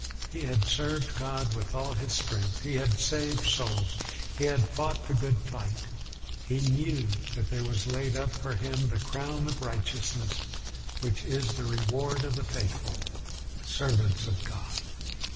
He had served God with all his strength; he had saved souls; he had fought the good fight; he knew that there was laid up for him the crown of righteousness which is the reward of the faithful servants of God.